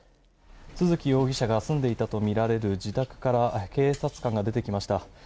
都築容疑者が住んでいたとみられる自宅から警察官が出てきました。